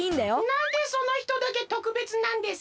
なんでそのひとだけとくべつなんですか？